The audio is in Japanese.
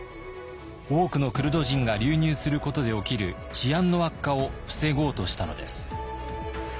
多くのクルド人が流入することで起きる治安の悪化を防ごうとしたのです。